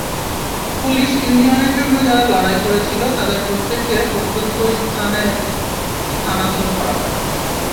Police ইউনিয়নের জন্য যারা লড়াই করেছিল তাদের প্রত্যেককে প্রত্যন্ত স্থানে স্থানান্তর করা হলো।